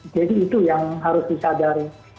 jadi itu yang harus disadari